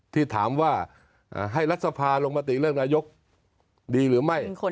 ที่ถามว่าให้รัฐสภาลงมติเลือกนายกดีหรือไม่